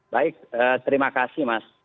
baik terima kasih mas